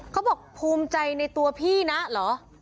เขาบอกภูมิใจในตัวพี่นะเหรอ